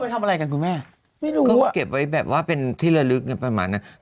ทำอะไรกันคุณแม่ไม่รู้คือเก็บไว้แบบว่าเป็นที่ละลึกประมาณนั้น